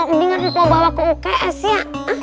mendingan mau bawa ke uks ya